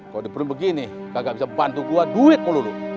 kau diperluin begini gak bisa bantu gue duit melulu